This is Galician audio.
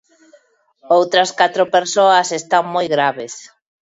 Outras catro persoas están moi graves.